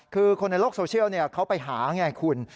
คือคนในโลกโซเชียลเขาไปหาไงคุณ